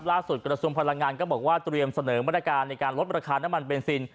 ล่าสุดกรรมสมภารการณ์ก็บอกว่าเตรียมเสนอบริการในการลดราคาน้ำมันเบนซิน